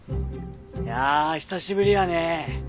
いや久しぶりやね。